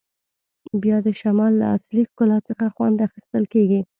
بیا د شمال له اصلي ښکلا څخه خوند اخیستل کیږي